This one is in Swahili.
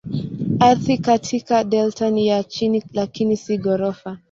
Ardhi katika delta ni ya chini lakini si ghorofa.